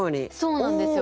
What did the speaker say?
そうなんですよ。